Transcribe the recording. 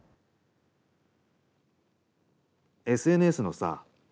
ＳＮＳのさ